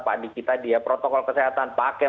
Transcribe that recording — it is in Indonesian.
pak adi kita dia protokol kesehatan pakai